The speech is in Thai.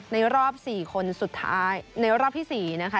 ในรอบ๔คนสุดท้ายในรอบที่๔นะคะ